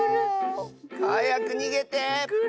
はやくにげて。